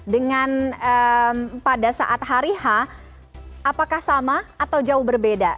dengan pada saat hari h apakah sama atau jauh berbeda